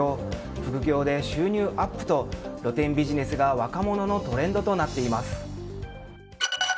副業で収入アップと露店ビジネスが若者のトレンドとなっています。